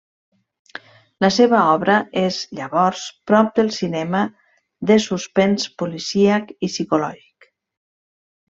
La seva obra és llavors prop del cinema de suspens policíac i psicològic.